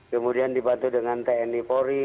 kemudian dibantu dengan tni polri